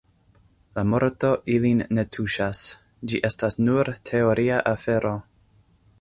La morto ilin ne tuŝas: ĝi estas nur teoria afero.